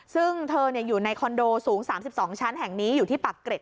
ซึ่งเธอเนี่ยอยู่ในคอนโดสูงสามสิบสองชั้นแห่งนี้อยู่ที่ปากเกร็ด